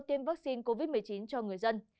tiêm vaccine covid một mươi chín cho người dân